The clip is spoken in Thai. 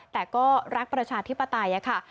แต่ก็รักประชาธิปไตยค่ะ